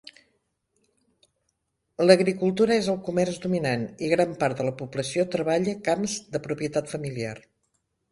L'agricultura és el comerç dominant i gran part de la població treballa camps de propietat familiar.